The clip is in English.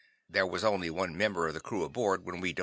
There was only one member of the crew aboard when we dove in."